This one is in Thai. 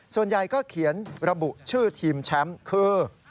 ส่วนใหญ่ก็เขียนระบุชื่อทีมแชมป์คือ